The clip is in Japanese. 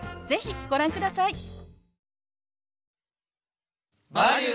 是非ご覧ください。